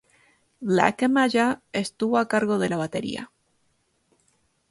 Black Amaya estuvo a cargo de la batería.